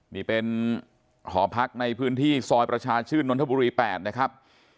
นี่เป็นหอพักในพื้นที่ซอยประชาชื่นนทบุรี๘นะครับ